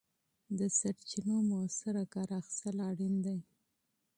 د سرچینو مؤثره کار اخیستل اړین دي.